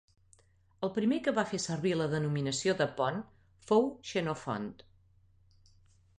El primer que va fer servir la denominació de Pont fou Xenofont.